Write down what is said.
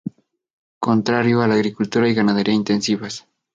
contrario a la agricultura y ganadería intensivas.